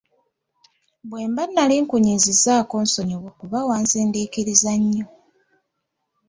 Bwe mba nali nkunyiizizaako nsonyiwa kuba wansindikiriza nnyo.